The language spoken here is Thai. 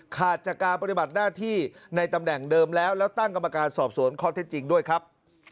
ขาดจากการปฏิบัติหน้าที่ในตำแหน่งเดิมแล้วแล้วตั้งกรรมการสอบสวนข้อเท็จจริงด้วยครับ